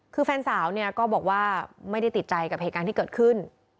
คือแฟนสาวเนี่ยก็บอกว่าไม่ได้ติดใจกับเหตุการณ์ที่เกิดขึ้น